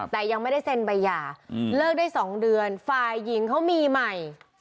แต่ยังไม่ได้เซ็นใบหย่าเลิกได้๒เดือนฝ่ายหญิงเขามีใหม่